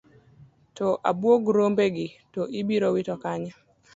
To abuog rombegi to ibiro wit kanye?